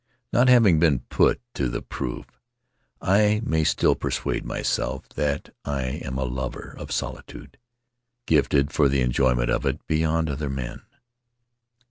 Not having been put to the proof, I may still persuade myself that I am a lover of solitude, gifted for the enjoyment of it beyond other men.